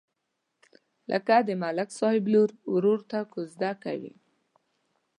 لکه د ملک صاحب لور ورور ته کوزده کوي.